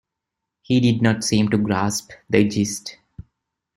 He did not seem to grasp the gist.